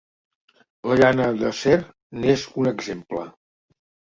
La llana d'acer n'és un exemple.